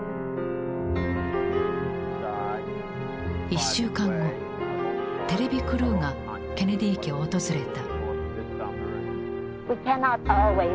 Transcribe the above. １週間後テレビクルーがケネディ家を訪れた。